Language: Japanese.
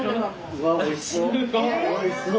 うわおいしそう！